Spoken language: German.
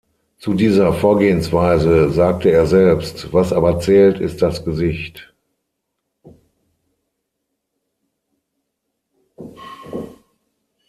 Zu dieser Vorgehensweise sagte er selbst: „Was aber zählt, ist das Gesicht.